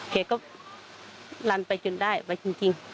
เกรียร์ก็ลั่นไปจนได้ไปจริงจริง